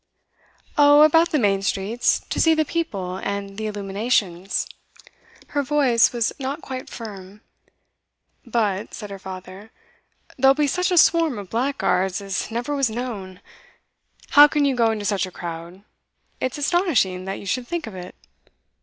'Oh, about the main streets to see the people and the illuminations.' Her voice was not quite firm. 'But,' said her father, 'there'll be such a swarm of blackguards as never was known. How can you go into such a crowd? It's astonishing that you should think of it.